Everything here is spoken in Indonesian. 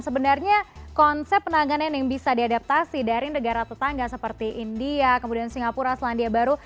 sebenarnya konsep penanganan yang bisa diadaptasi dari negara tetangga seperti india kemudian singapura selandia baru